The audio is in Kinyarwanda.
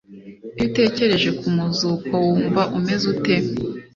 Iyo utekereje ku muzuko wumva umeze ute